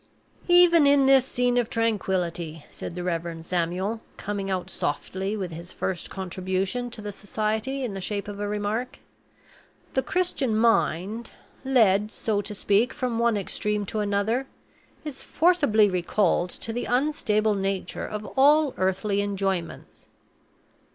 "Even in this scene of tranquillity," said the Reverend Samuel, coming out softly with his first contribution to the society in the shape of a remark, "the Christian mind led, so to speak, from one extreme to another is forcibly recalled to the unstable nature of all earthly enjoyments.